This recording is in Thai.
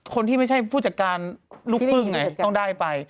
คนที่ไม่ใช่ผู้จัดการลูกครึ่งไงต้องได้ไป